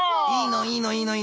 いいのいいの。